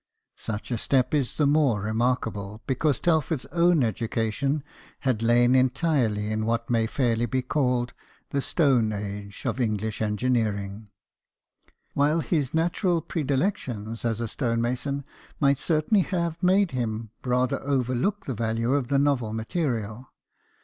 Such a step is all the more remarkable, because Telford's own educa tion had lain entirely in what may fairly be called the " stone age " of English engineering ; while his natural predilections as a stonemason might certainly have made him rather overlook the value of the novel material.